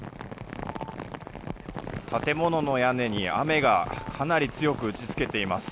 建物の屋根に雨がかなり強く打ちつけています。